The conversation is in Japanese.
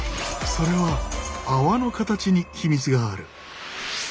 それは泡の形に秘密がある。